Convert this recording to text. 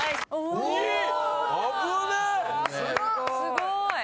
すごーい！